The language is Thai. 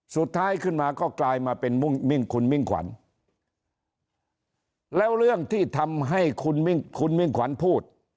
สุดท้ายขึ้นมาก็กลายมาเป็นมุ่งมิ่งคุณมิ่งขวัญแล้วเรื่องที่ทำให้คุณมิ่งขวัญพูด